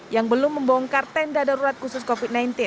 yang belum membongkar tenda darurat khusus covid sembilan belas